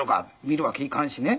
見るわけにいかんしね。